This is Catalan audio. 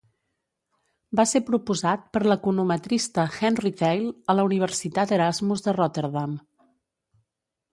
Va ser proposat per l'econometrista Henri Theil a la Universitat Erasmus de Rotterdam.